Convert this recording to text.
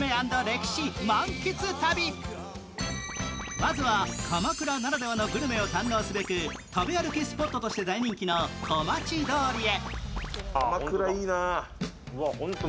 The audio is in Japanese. まずは鎌倉ならではのグルメを堪能すべく食べ歩きスポットとして大人気の小町通りへ。